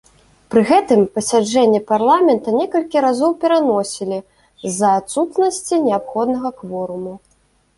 Пры гэтым пасяджэнне парламента некалькі разоў пераносілі з-за адсутнасці неабходнага кворуму.